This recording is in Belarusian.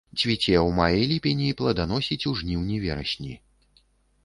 Цвіце у маі-ліпені, плоданасіць у жніўні-верасні.